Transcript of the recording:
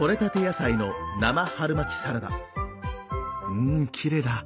うんきれいだ。